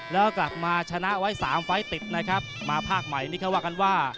แล้วกลับมาชนะไว้สามไฟล์ติดนะครับมาภาคใหม่นี่เขาว่ากันว่า